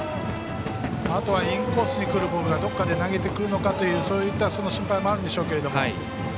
あとはインコースにくるボールがどっかで投げてくるのかというそういった心配もあるんでしょうけれど。